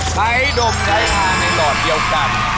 ใช้ดมใช้ทาในหลอดเดียวกัน